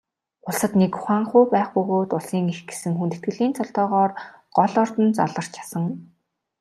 Улсад нэг хуанху байх бөгөөд Улсын эх гэсэн хүндэтгэлийн цолтойгоор гол ордонд заларч асан.